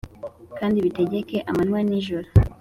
kandi bitegeke amanywa n’ijoro